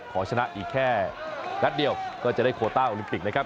ขอชนะอีกแค่นัดเดียวก็จะได้โคต้าโอลิมปิกนะครับ